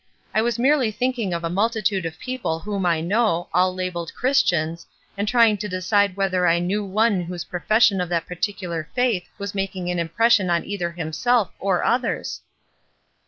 I was merely thinking of a multi tude of people whom I know, all labelled 'Chris tians,' and trying to decide whether I knew one whose profession of that particular faith was making an impression on either himself or others."